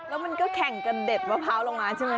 แล้วมันก็แข่งกับเด็ดมะพร้าวลงมาใช่ไหม